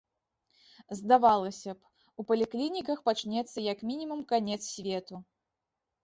Здавалася б, у паліклініках пачнецца як мінімум канец свету.